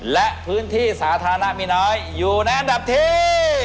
และพื้นที่สาธารณะมีน้อยอยู่ในอันดับที่